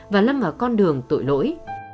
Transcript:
và lâm vào con đường tội lỗi